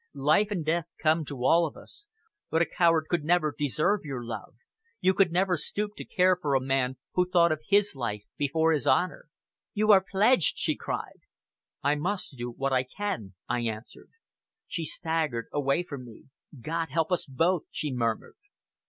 Life and death come to all of us, but a coward could never deserve your love you could never stoop to care for a man who thought of his life before his honor." "You are pledged!" she cried. "I must do what I can," I answered. She staggered away from me. "God help us both!" she murmured.